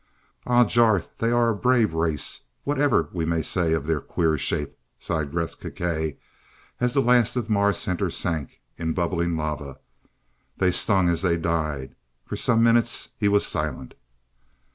"Ah, Jarth they are a brave race, whatever we may say of their queer shape," sighed Gresth Gkae as the last of Mars Center sank in bubbling lava. "They stung as they died." For some minutes he was silent.